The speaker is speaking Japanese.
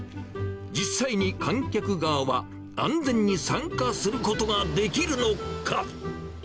実際に観客側は安全に参加することができるのか。